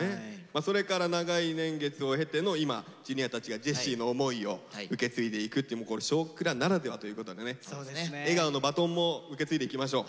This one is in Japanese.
それから長い年月を経ての今Ｊｒ．たちがジェシーの思いを受け継いでいくって「少クラ」ならではということでね笑顔のバトンも受け継いでいきましょう。